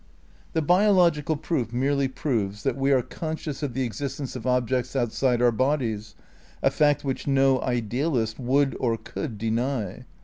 ^ The biological proof merely proves that we are con scious of the existence of objects outside our bodies, a fact which no idealist would or could deny.